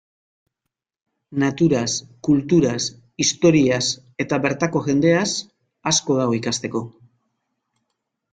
Naturaz, kulturaz, historiaz, eta bertako jendeaz asko dago ikasteko.